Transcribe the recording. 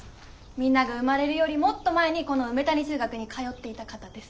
みんなが生まれるよりもっと前にこの梅谷中学に通っていた方です。